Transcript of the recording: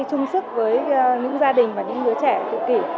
chung sức với những gia đình và những đứa trẻ tự kỷ